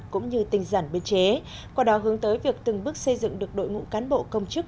cũng như tinh giản biên chế qua đó hướng tới việc từng bước xây dựng được đội ngũ cán bộ công chức